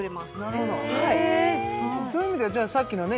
なるほどそういう意味ではさっきのね